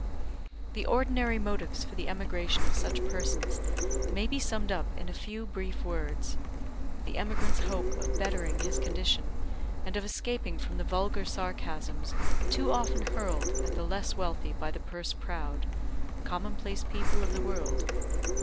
The ordinary motives for the emigration of such persons may be summed up in a few brief words; the emigrant's hope of bettering his condition, and of escaping from the vulgar sarcasms too often hurled at the less wealthy by the purse proud, common place people of the world.